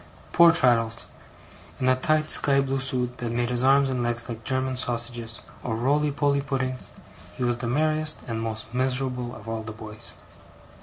Poor Traddles! In a tight sky blue suit that made his arms and legs like German sausages, or roly poly puddings, he was the merriest and most miserable of all the boys.